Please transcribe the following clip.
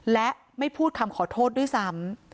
และไม่พูดคำขอโทษด้วยซ้ำ